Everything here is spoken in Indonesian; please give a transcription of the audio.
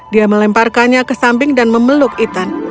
dia melemparkannya ke samping dan memeluk ethan